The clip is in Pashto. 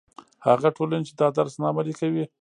هغه ټولنې چې دا درس نه عملي کوي.